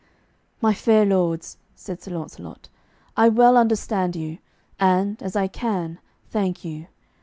"My fair lords," said Sir Launcelot, "I well understand you, and, as I can, thank you.